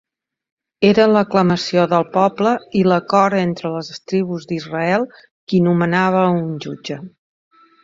Era l'aclamació del poble i l'acord entre les tribus d'Israel qui nomenava un jutge.